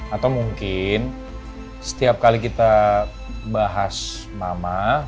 atau mungkin setiap kali kita bahas mama